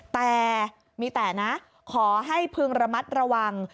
แต่มีแต่นะขอให้พึงระมัดระวัง